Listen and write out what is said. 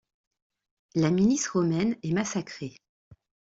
La milice romaine est massacrée.